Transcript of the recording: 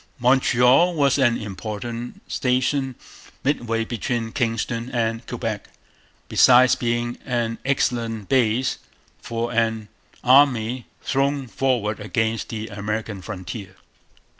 Montreal was an important station midway between Kingston and Quebec, besides being an excellent base for an army thrown forward against the American frontier.